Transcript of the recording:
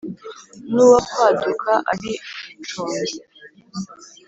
n’ uwakwaduka ari rucunzi